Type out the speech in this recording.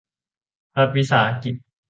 รัฐวิสาหกิจ